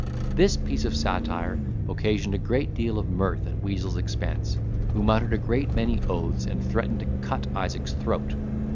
This piece of satire occasioned a great deal of mirth at Weazel's expense, who muttered a great many oaths, and threatened to cut Isaac's throat.